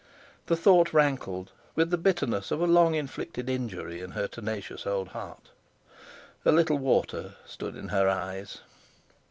The thought rankled with the bitterness of a long inflicted injury in her tenacious old heart. A little water stood in her eyes.